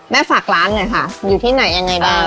ฝากร้านหน่อยค่ะอยู่ที่ไหนยังไงบ้าง